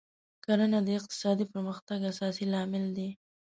کرنه د اقتصادي پرمختګ اساسي لامل دی.